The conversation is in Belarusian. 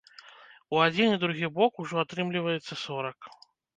У адзін і другі бок ужо атрымліваецца сорак.